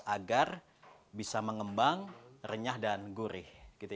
agar bisa mengembang renyah dan gurih